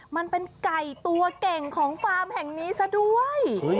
มันเป็นไก่ตัวเก่งของฟาร์มแห่งนี้ซะด้วย